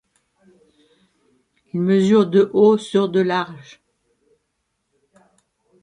Il mesure de haut sur de large.